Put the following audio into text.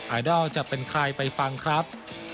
ไอดอลจะเป็นใครไปฟังครับ